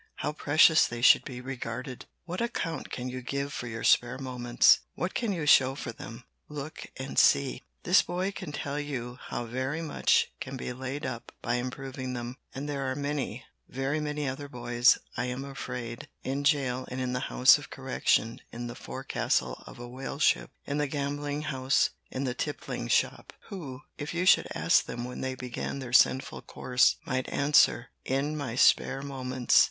How precious they should be regarded! What account can you give for your spare moments? What can you show for them? Look and see. This boy can tell you how very much can be laid up by improving them; and there are many, very many other boys, I am afraid, in jail and in the house of correction, in the forecastle of a whaleship, in the gambling house, in the tippling shop, who, if you should ask them when they began their sinful course, might answer, "In my spare moments."